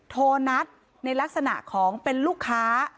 โทรนัดในลักษณะของเป็นลูกค้า